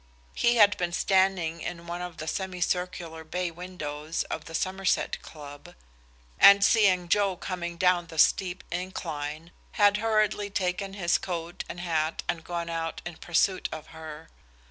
He had been standing in one of the semi circular bay windows of the Somerset Club, and seeing Joe coming down the steep incline, had hurriedly taken his coat and hat and gone out in pursuit of her.